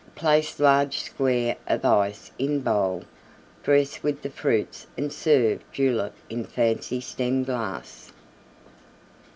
Place large square of Ice in bowl; dress with the Fruits and serve Julep in fancy Stem glass.